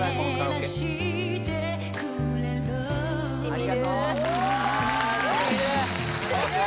・ありがとうＯＫ！